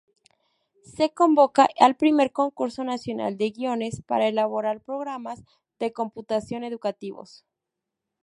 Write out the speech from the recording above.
Se convoca al Primer Concurso Nacional de Guiones para elaborar programas de computación educativos.